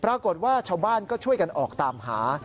ปรากฏว่าชาวบ้านก็ช่วยกันออกตามหา